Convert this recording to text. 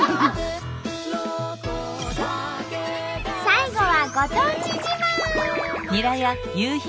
最後はご当地自慢。